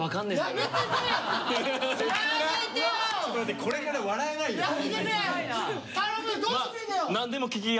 これから笑えないよ。